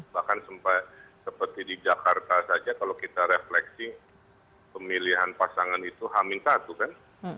bahkan seperti di jakarta saja kalau kita refleksi pemilihan pasangan itu hamil satu kan